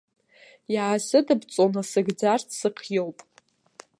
Иаасыдыбҵо насыгӡарц сыхиоуп.